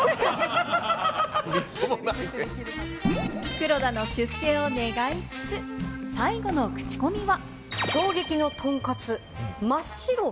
黒田の出世を願いつつ、最後のクチコミは。